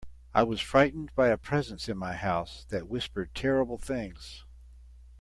I was frightened by a presence in my house that whispered terrible things.